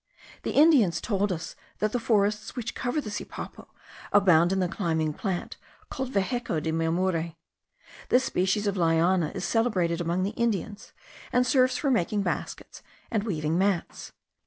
The Indians told us that the forests which cover the Sipapo abound in the climbing plant called vehuco de maimure. This species of liana is celebrated among the Indians, and serves for making baskets and weaving mats.